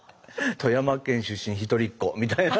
「富山県出身一人っ子」みたいな。